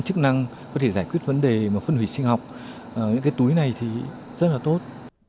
chức năng có thể giải quyết vấn đề mà phân hủy sinh học những cái túi này thì rất là tốt